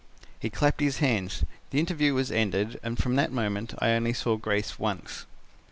"He clapped his hands. The interview was ended and from that moment I only saw Grace once."